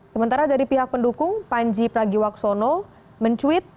sementara dari pihak pendukung panji pragiwaksono mencuit